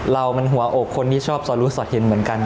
เรามันหัวอกคนที่ชอบสอดรู้สอดเห็นเหมือนกัน